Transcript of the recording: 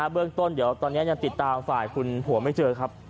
เบื้องต้นเดี๋ยวตอนนี้ยังติดตามฝ่ายคุณผัวไม่เจอครับ